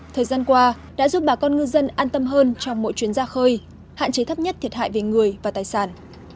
thời gian qua đã giúp bà con ngư dân an tâm hơn trong mỗi chuyến ra khơi hạn chế thấp nhất thiệt hại về người và tài sản